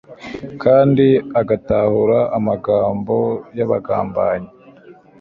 kandi agatahura amagambo y’abagambanyi